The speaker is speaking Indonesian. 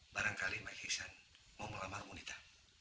barangkali pak iksan mau melamar nita